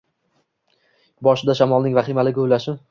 Boshida shamolning vahimali guvillashi…